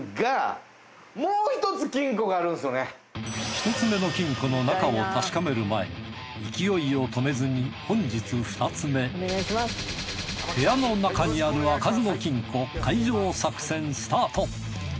１つ目の金庫の中を確かめる前に勢いを止めずに本日２つ目部屋の中にある開かずの金庫開錠作戦スタート！